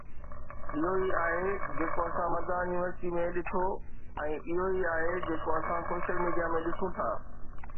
اهو ئي آهي جيڪو اسان مردان يونيورسٽي ۾ ڏٺو ۽ اهو ئي آهي جيڪو اسان سوشل ميڊيا ۾ ڏسون ٿا.